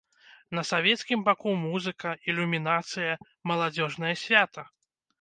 На савецкім баку музыка, ілюмінацыя, маладзёжнае свята.